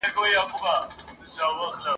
له یخنۍ څخه ډبري چاودېدلې ..